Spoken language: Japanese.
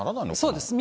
そうです。